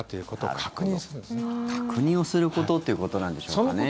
確認をすることっていうことなんでしょうかね。